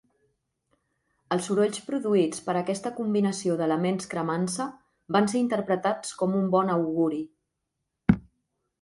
Els sorolls produïts per aquesta combinació d'elements cremant-se van ser interpretats com un bon auguri.